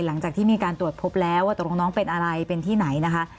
หลังจากที่มีการตรวจพบแล้วว่าตกลงน้องเป็นอะไรเป็นที่ไหนนะคะ